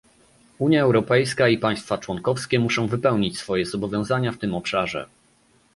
Unia Europejska i państwa członkowskie muszą wypełnić swoje zobowiązania w tym obszarze